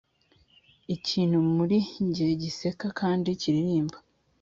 ikintu muri njye giseka kandi kiririmba